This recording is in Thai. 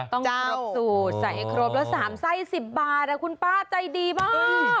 ต้องครบสูตรใส่ครบแล้ว๓ไซ่๑๐บาทคุณป้าใจดีมาก